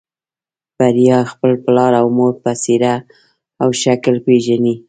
بريا خپل پلار او مور په څېره او شکل پېژني.